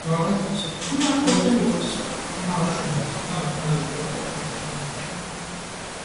The purpose was to furnish adequate and affordable insurance protection to African-Americans.